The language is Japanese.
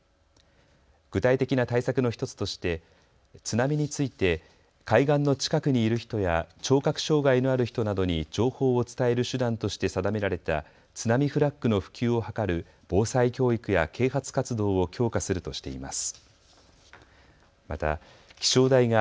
具体的な対策の１つとして津波について海岸の近くにいる人や聴覚障害のある人などに情報を伝える手段として定められた津波フラッグの普及を図る防災教育や啓発活動を強化するとしています。